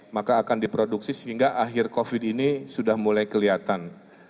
maka akan diproduksi sehingga akhir covid ini sudah mulai kelihatan